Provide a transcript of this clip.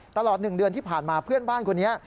ตลอด๑เดือนที่ผ่านมาเพื่อนบ้านคนนี้